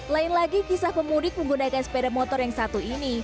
lain lagi kisah pemudik menggunakan sepeda motor yang satu ini